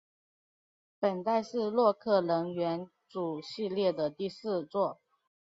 本代是洛克人元祖系列的第四作。